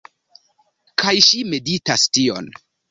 Kaj ŝi meditas tion